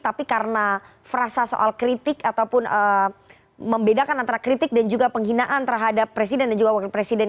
tapi karena frasa soal kritik ataupun membedakan antara kritik dan juga penghinaan terhadap presiden dan juga wakil presiden